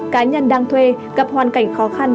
cá nhân đang thuê gặp hoàn cảnh khó khăn